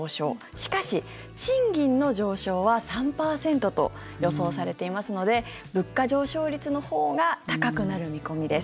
しかし、賃金の上昇は３％と予想されていますので物価上昇率のほうが高くなる見込みです。